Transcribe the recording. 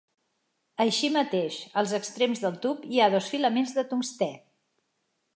Així mateix, als extrems del tub hi ha dos filaments de tungstè.